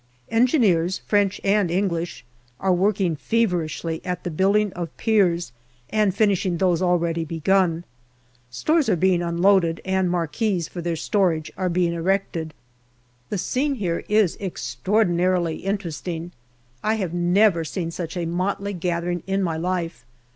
Engineers, French and English, are working feverishly at the building of piers and finishing those already begun. Stores are being unloaded, and marquees for their storage are being erected. MAY 63 The scene here is extraordinarily interesting, I have never seen such a motley gathering in my life.